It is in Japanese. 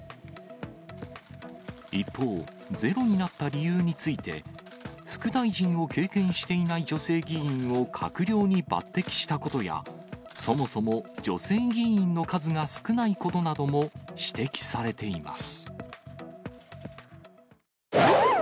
一方、ゼロになった理由について、副大臣を経験していない女性議員を閣僚に抜てきしたことや、そもそも女性議員の数が少ないことなども指摘されています。